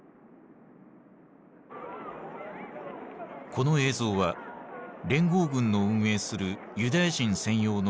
この映像は連合軍の運営するユダヤ人専用の難民キャンプ。